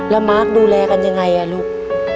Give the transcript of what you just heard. แล้วมาร์คดูแลกันยังไงลูก